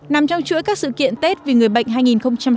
nằm trong chuỗi các sự kiện tết vì người bệnh hai nghìn hai mươi